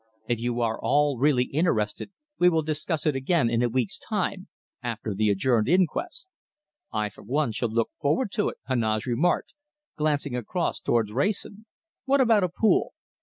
If you are all really interested we will discuss it again in a week's time after the adjourned inquest." "I, for one, shall look forward to it," Heneage remarked, glancing across towards Wrayson. "What about a pool?"